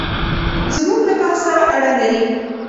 زموږ له بحث سره اړه لري.